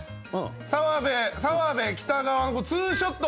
澤部、北川のツーショット。